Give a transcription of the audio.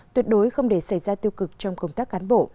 tuyệt đối không để xảy ra tiêu cực trong công tác cán bộ